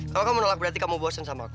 kalau kamu menolak berarti kamu bosen sama aku